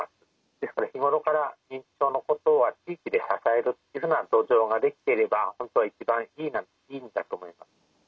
ですから日頃から認知症のことは地域で支えるっていうふうな土壌ができていれば本当は一番いいんだと思います。